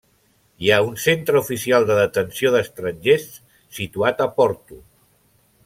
Hi ha un centre oficial de detenció d'estrangers situat a Porto.